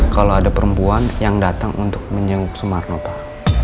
kalau ada perempuan yang datang untuk menjenguk sumarno pak